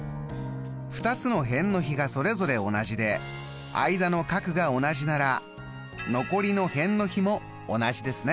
２つの辺の比がそれぞれ同じで間の角が同じなら残りの辺の比も同じですね。